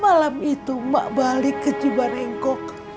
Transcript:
malam itu mak balik ke cibanengkok